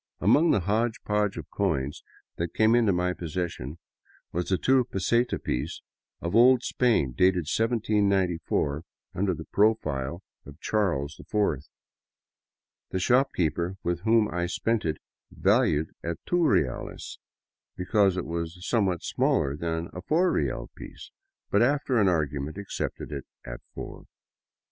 Among the hodgepodge of coins that came into my possession was a two peseta piece of old Spain, dated 1794 under the profile of Charles IV. The shopkeeper with whom I spent it valued it at two reales because it was somewhat smaller than the four real piece, but after an argument accepted it as four.